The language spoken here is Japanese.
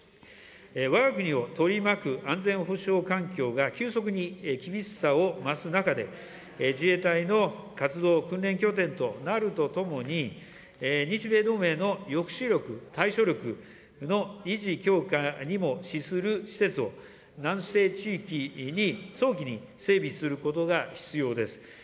わが国を取り巻く安全保障環境が急速に厳しさを増す中で、自衛隊の活動訓練拠点となるとともに、日米同盟の抑止力、対処力の維持、強化にも資する施設を南西地域に早期に整備することが必要です。